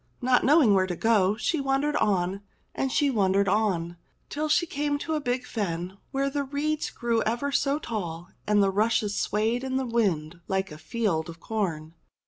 Not knowing where to go, she wandered on and she wan dered on, till she came to a big fen where the reeds grew ever so tall and the rushes swayed in the wind like a field of corn.